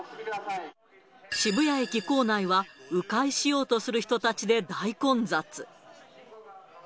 渋谷駅構内はう回しようとする人たちで大混雑。